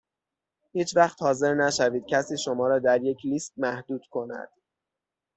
هیچ وقت حاضر نشوید کسی شما در یک لیست محدود کند.